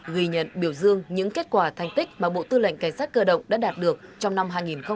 ghi nhận biểu dương những kết quả thành tích mà bộ tư lệnh cảnh sát cơ động đã đạt được trong năm hai nghìn hai mươi ba